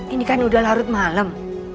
ini kan udah larut malam